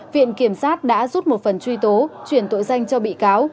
viện kiểm sát đã rút một phần truy tố chuyển tội danh cho bị cáo